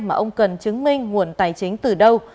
mà ông cần chứng minh nguồn tài chính từ đâu